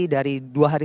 dari dua hari